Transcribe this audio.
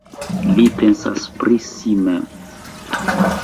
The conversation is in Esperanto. Li pensas pri si mem.